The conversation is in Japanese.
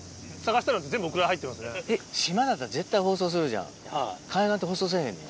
島だったら絶対放送するじゃん海岸って放送せぇへんねん。